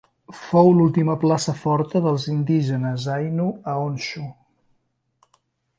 Fou l'última plaça forta dels indígenes ainu a Honshu.